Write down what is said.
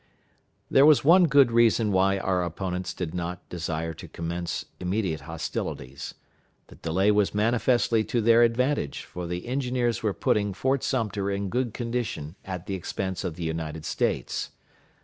There was one good reason why our opponents did not desire to commence immediate hostilities. The delay was manifestly to their advantage, for the engineers were putting Fort Sumter in good condition at the expense of the United States.